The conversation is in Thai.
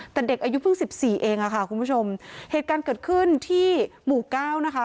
แต่เด็กอายุเพิ่งสิบสี่เองอ่ะค่ะคุณผู้ชมเหตุการณ์เกิดขึ้นที่หมู่เก้านะคะ